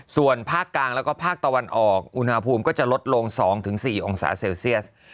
ส่วนภาคกลางแล้วก็ภาคตะวันออกอุณหภูมิก็จะลดลง๒๔องศาเซลเซียส